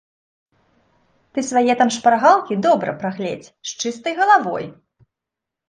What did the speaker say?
Ты свае там шпаргалкі добра прагледзь, з чыстай галавой!